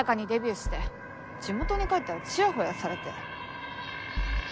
地元に帰ったらチヤホヤされて。